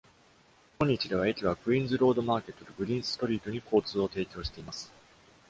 今日では、駅はクイーンズロードマーケットとグリーンストリートに交通を提供しています。